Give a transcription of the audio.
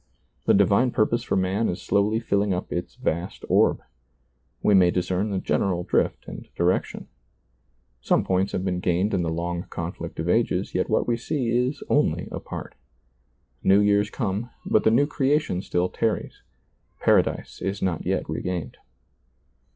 The divine purpose for man is slowly filling up its vast orb ; we may discern the general drift and direction. Some points have been gained in the long conflict of ages, yet what we see is only a part. New years come, but the New Creation still tarries; Paradise is not yet regained.